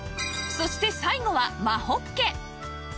そして最後は真ほっけ